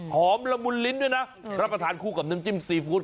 ละมุนลิ้นด้วยนะรับประทานคู่กับน้ำจิ้มซีฟู้ด